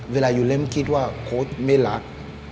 เวลายูเล่มคิดว่าโค้ดไม่รัก